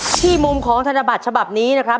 ที่มุมของธนบัตรฉบับนี้นะครับ